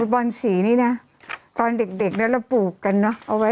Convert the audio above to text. บนสีนี่นะตอนเด็กนั้นเราปลูกกันน่ะ